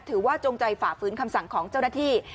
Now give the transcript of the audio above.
จงใจฝ่าฝืนคำสั่งของเจ้าหน้าที่